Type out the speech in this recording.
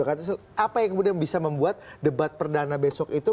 apa yang kemudian bisa membuat debat perdana besok itu